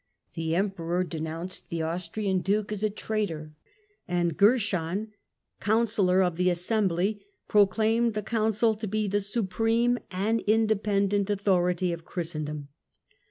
The Emperor denounced the Austrian Duke as a traitor, and Gerson, Chancellor of the Assembly, proclaimed the Council to be the supreme and independent authority of Christendom.